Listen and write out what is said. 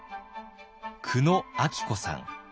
久野明子さん。